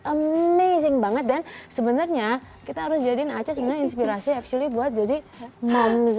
amazing banget dan sebenarnya kita harus jadiin aca sebenarnya inspirasi actually buat jadi momz